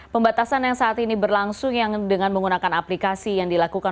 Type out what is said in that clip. pembatasan yang saat ini berlangsung yang dengan menggunakan aplikasi yang dilakukan